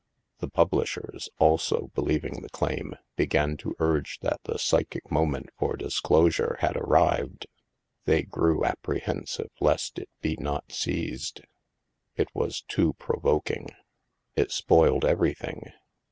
The publishers (also believing the claim) began to urge that the psychic moment for disclosure had arrived. They grew apprehensive lest it be not seized. It was too provoking! It spoiled everything.